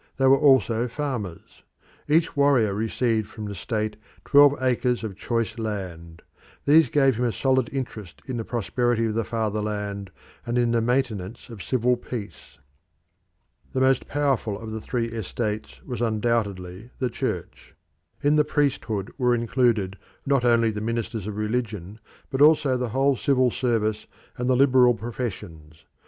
They were also farmers. Each warrior received from the state twelve acres of choice land; these gave him a solid interest in the prosperity of the fatherland and in the maintenance of civil peace. The most powerful of the three estates was undoubtedly the Church. In the priesthood were included not only the ministers of religion, but also the whole civil service and the liberal professions.